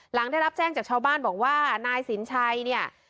หลังได้รับแจ้งจากชาวบ้านบอกว่านายสินชัยเนี่ย